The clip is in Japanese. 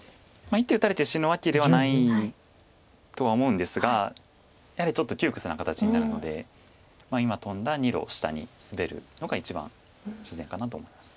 一手打たれて死ぬわけではないとは思うんですがやはりちょっと窮屈な形になるので今トンだ２路下にスベるのが一番自然かなと思います。